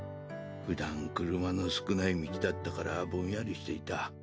ふだん車の少ない道だったからぼんやりしていた。